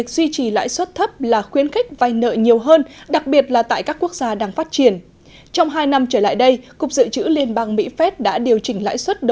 xin chào và hẹn gặp lại